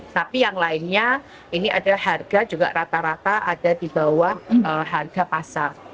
tapi yang lainnya ini ada harga juga rata rata ada di bawah harga pasar